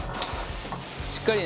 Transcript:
しっかりね